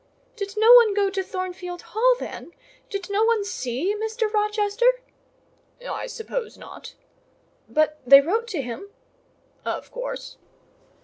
"Did no one go to Thornfield Hall, then? Did no one see Mr. Rochester?" "I suppose not." "But they wrote to him?" "Of course."